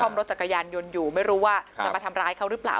รถจักรยานยนต์อยู่ไม่รู้ว่าจะมาทำร้ายเขาหรือเปล่า